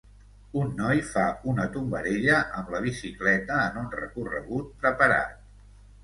Un noi fa una tombarella amb la bicicleta en un recorregut preparat.